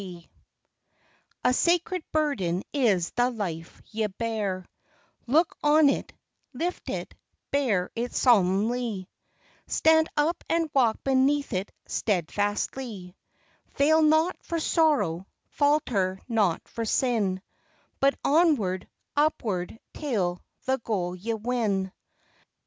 LIFE. SACRED burden is the life ye bear; Look on it, lift it, bear it solemnly; Stand up and walk beneath it steadfastly: Fail not for sorrow, falter not for sin, But onward, upward, till the goal ye win..